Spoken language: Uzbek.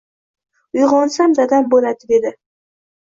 Uyg‘onsam dadam bo‘ladi dedi.